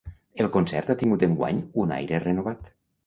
El concert ha tingut enguany un aire renovat.